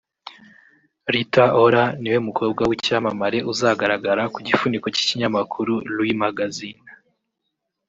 Rita Ora ni we mukobwa w’icyamamare uzagaragara ku gifuniko cy’ikinyamakuru ‘Lui Magazine’